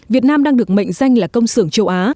việt nam đang được mệnh danh là công sưởng châu á